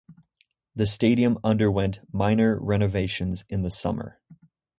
The stadium underwent minor renovations in the summer.